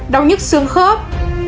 chín đau nhức xương khớp